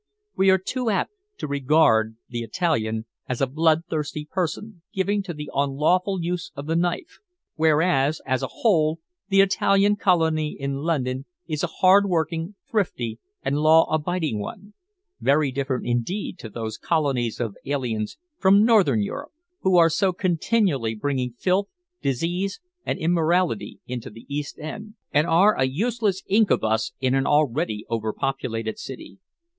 We are too apt to regard the Italian as a bloodthirsty person given to the unlawful use of the knife, whereas, as a whole, the Italian colony in London is a hard working, thrifty, and law abiding one, very different, indeed, to those colonies of aliens from Northern Europe, who are so continually bringing filth, disease, and immorality into the East End, and are a useless incubus in an already over populated city.